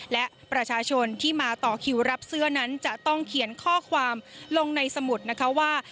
และประชาชนที่มาต่อคิวรับเสื้อนั้นจะต้องเขียนข้อความลงในสมุดนะคะว่า